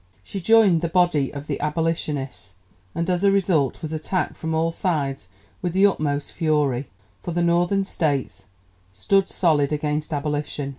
She joined the body of the 'Abolitionists,' and as a result was attacked from all sides with the utmost fury, for the Northern States stood solid against abolition.